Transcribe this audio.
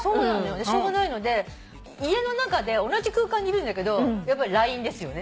しょうがないので家の中で同じ空間にいるんだけどやっぱりＬＩＮＥですよね。